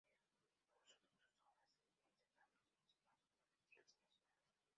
Expuso sus obras en certámenes municipales, provinciales y nacionales.